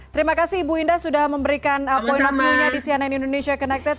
terima kasih bu indah sudah memberikan point of view nya di cnn indonesia connected